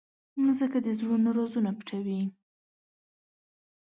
مځکه د زړونو رازونه پټوي.